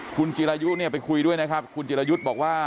คุณจิรายุเนี่ยไปคุยด้วยนะครับคุณจิรายุทธ์บอกว่า